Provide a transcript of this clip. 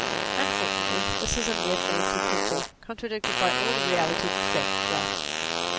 Unfortunately this is a mere fancy picture, contradicted by all the realities of savage life.